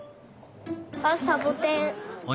あっサボテン。